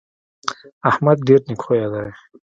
احمد ډېر نېک خویه دی.